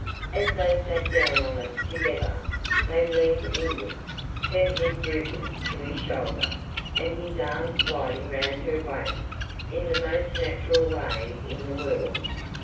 As they sat down on it together, they leaned inwards, her head drooping to his shoulder, and his arm sliding round her waist in the most natural way in the world.